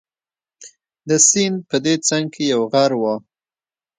د سیند په دې څنګ کې یو غر وو.